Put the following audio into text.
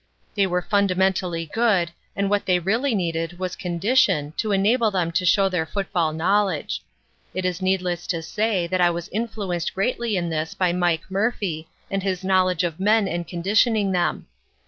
They were fundamentally good and what they really needed was condition to enable them to show their football knowledge. It is needless to say that I was influenced greatly in this by Mike Murphy and his knowledge of men and conditioning them.